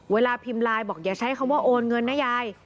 เวลาพิมพ์ไลน์บอกอย่าใช้คำว่าโอนเงินนะยาย